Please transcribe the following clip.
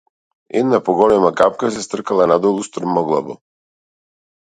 Една поголема капка се стркала надолу струмоглаво.